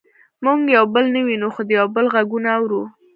موږ یو بل نه وینو خو د یو بل غږونه اورو